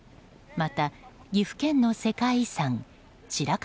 また、岐阜県の世界遺産白川